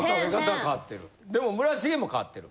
でも村重も変わってる。